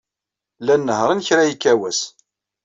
Llan nehhṛen kra yekka wass.